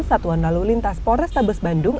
satuan lalu lintas pores tabis bandung